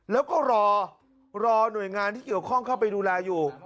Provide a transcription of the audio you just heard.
แล้วก็รอรอหน่วยงานที่เกี่ยวข้องเข้าไปดูแลอยู่